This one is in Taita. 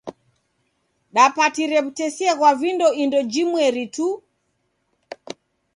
Dapatire w'utesia ghwa vindo indo jimweri tu.